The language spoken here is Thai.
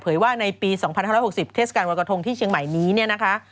เผยว่าในปี๒๑๖๐เทศกรรมวันกระทงที่เชียงใหม่นี้นะคะ